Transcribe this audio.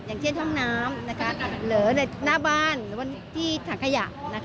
อย่างเช่นห้องน้ำหรือหน้าบ้านหรือว่าที่ถังขยะ